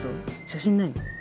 写真ないの？